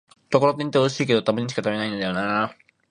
ところてんっておいしいけど、たまにしか食べないんだよなぁ